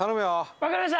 わかりました！